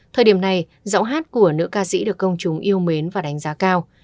thời điểm này giọng hát của nữ ca sĩ được công chúng yêu mến và đánh giá cao